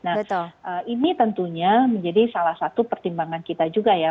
nah ini tentunya menjadi salah satu pertimbangan kita juga ya